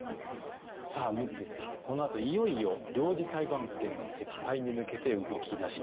さあ陸奥ですけどもこのあといよいよ領事裁判権の撤廃に向けて動き出します。